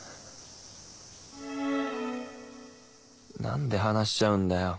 何で話しちゃうんだよ